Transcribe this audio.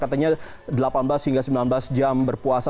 katanya delapan belas hingga sembilan belas jam berpuasa